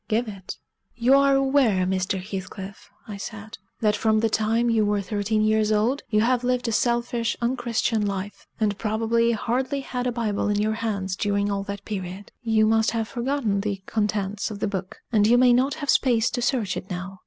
"Give it." "You are aware, Mr. Heathcliff," I said, "that from the time you were thirteen years old you have lived a selfish, unchristian life: and probably hardly had a Bible in your hands during all that period. You must have forgotten the contents of the book, and you may not have space to search it now.